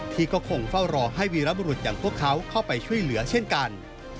ที่ก็คงเฝ้ารอให้วีรบุรุษอย่างพวกเขาเข้าไปช่วยเหลือเช่นกัน